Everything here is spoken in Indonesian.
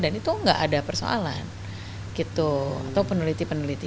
dan itu enggak ada persoalan gitu atau peneliti peneliti